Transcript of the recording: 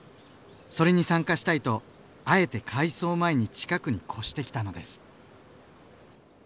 それに参加したいとあえて改装前に近くに越してきたのです。